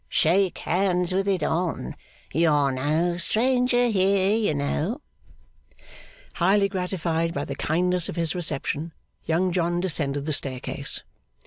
Shake hands with it on. You are no stranger here, you know.' Highly gratified by the kindness of his reception, Young John descended the staircase.